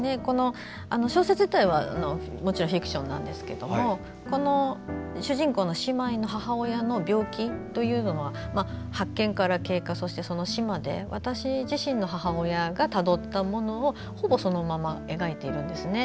小説自体はフィクションなんですけども主人公の姉妹の母親の病気というのは発見から経過、そしてその死まで私自身の母親がたどったものをほぼそのまま描いているんです。